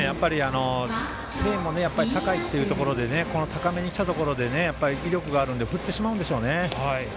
背も高いということで高めに来たところで威力があるので振ってしまうんでしょうね。